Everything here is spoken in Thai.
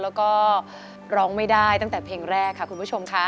แล้วก็ร้องไม่ได้ตั้งแต่เพลงแรกค่ะคุณผู้ชมค่ะ